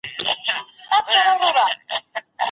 حکومت بايد د ټولو حقوق خوندي کړي.